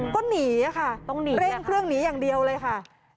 ก็หนีค่ะต้องหนีเร่งเครื่องหนีอย่างเดียวเลยค่ะ